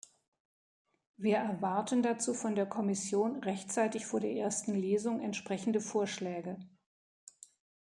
Wir erwarten dazu von der Kommission rechtzeitig vor der ersten Lesung entsprechende Vorschläge.